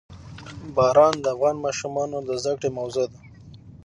باران د افغان ماشومانو د زده کړې موضوع ده.